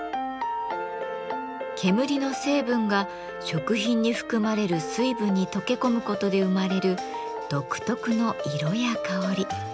煙の成分が食品に含まれる水分に溶け込むことで生まれる独特の色や香り。